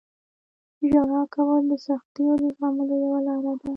• ژړا کول د سختیو د زغملو یوه لاره ده.